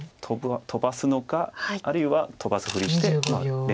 飛ばすのかあるいは飛ばすふりして冷静に打つ。